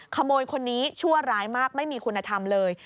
ขโมยคนนี้ชั่วร้ายมากไม่มีคุณธรรมเลย